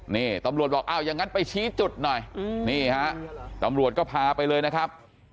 นี่ตำรวจบอกอ้าวอย่างนั้นไปชี้จุดหน่อยนี่ฮะตำรวจก็พาไปเลยนะครับ